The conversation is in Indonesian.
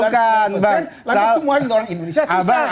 karena semua orang indonesia susah